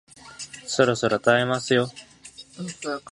そろそろ食べますよ